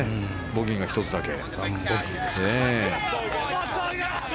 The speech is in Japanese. ボギーが１つだけ。